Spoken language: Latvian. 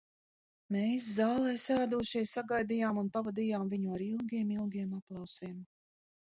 Mēs, zālē sēdošie, sagaidījām un pavadījām viņu ar ilgiem, ilgiem aplausiem.